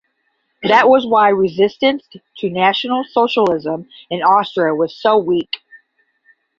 That was why resistance to National Socialism in Austria was so weak.